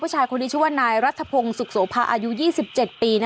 ผู้ชายคนนี้ชื่อว่านายรัฐพงศ์สุขโสภาอายุ๒๗ปี